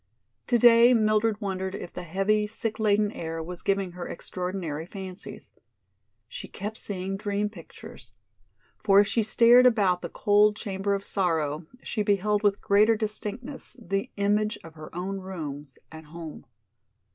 Today Mildred wondered if the heavy, sick laden air was giving her extraordinary fancies. She kept seeing dream pictures. For as she stared about the cold chamber of sorrow she beheld with greater distinctness the image of her own rooms at home.